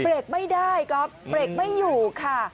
เบรกไม่ได้ก็เบรกไม่อยู่ค่ะ